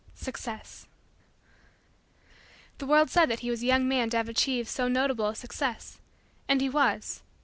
SUCCESS The world said that he was a young man to have achieved so notable a Success. And he was.